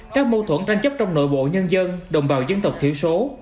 các mâu thuẫn tranh chấp trong nội bộ nhân dân đồng bào dân tộc thiểu số